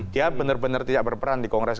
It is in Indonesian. dia benar benar tidak berperan di kongres